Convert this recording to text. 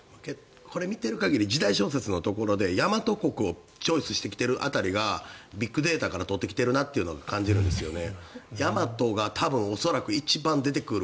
これを見ている限り時代小説のところで大和国をチョイスしているところがビッグデータから取ってきているなという感じなんですよね。